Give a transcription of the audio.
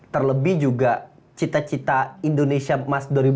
terlebih juga cita cita indonesia mas dua ribu empat puluh lima ya